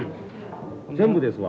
全部ですわ。